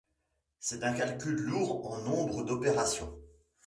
C'est un calcul lourd en nombre d'opérations.